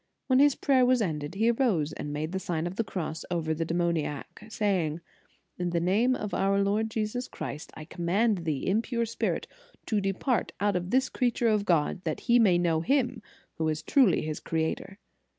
When his prayer was ended, he arose and made the Sign of the Cross over the demoniac, saying: "In the name of our Lord Jesus Christ, I command thee, impure spirit, to depart out of this creature of God, that he may know Him who is truly His Creator."